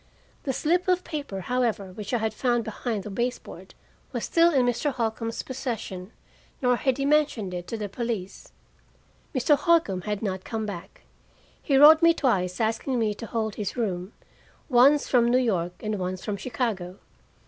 The slip of paper, however, which I had found behind the base board, was still in Mr. Holcombe's possession, nor had he mentioned it to the police. Mr. Holcombe had not come back. He wrote me twice asking me to hold his room, once from New York and once from Chicago.